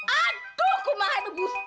aduh ku maha itu busti